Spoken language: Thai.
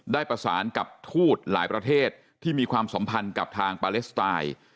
ได้ประสานกับทูตหลายประเทศที่มีความสัมพันธ์กับทางปาเลสไตน์